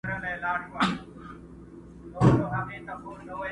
زه له بېرنګۍ سره سوځېږم ته به نه ژاړې.!